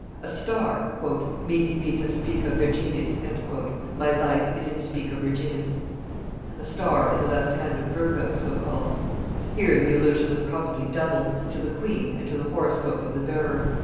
A star, "Mihi vita Spica Virginis" (My life is in Spica Virginis) a star in the left hand of Virgo so called: here the allusion was probably double; to the queen, and to the horoscope of the bearer.